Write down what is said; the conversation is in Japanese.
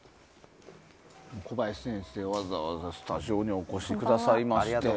小林先生、わざわざスタジオにお越しくださいまして。